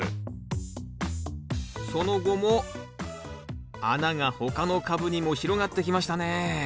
その後も穴が他の株にも広がってきましたね。